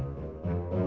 gak ada apa apa